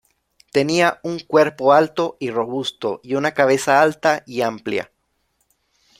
Tenía un cuerpo alto y robusto y una cabeza alta y amplia.